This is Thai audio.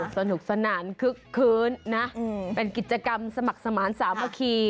สนุกสนานคึกคื้นนะเป็นกิจกรรมสมัครสมานสามัคคี